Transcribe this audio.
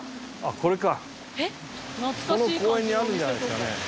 この公園にあるんじゃないですかね。